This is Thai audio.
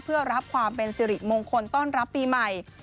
เพื่อรับความเป็นสิริมงคลต้อนรับปีใหม่